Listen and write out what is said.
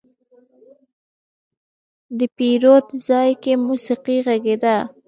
د پیرود ځای کې موسيقي غږېده.